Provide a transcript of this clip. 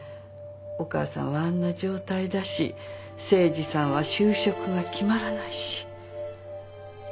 お母さんはあんな状態だし誠治さんは就職が決まらないし。